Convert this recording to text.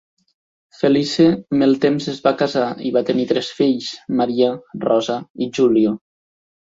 Felice amb el temps es va casar i va tenir tres fills: Maria, Rosa i Giulio.